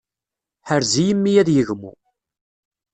Ḥrez-iyi mmi ad yegmu.